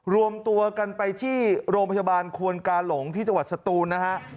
รวมตัวกันไปที่โรงพยาบาลควนกาหลงที่จังหวัดสตูนนะฮะ